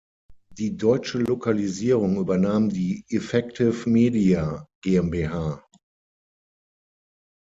Die deutsche Lokalisierung übernahm die Effective Media GmbH.